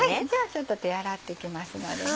ちょっと手洗ってきますのでね。